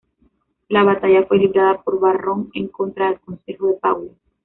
La batalla fue librada por Varrón en contra del consejo de Paulo.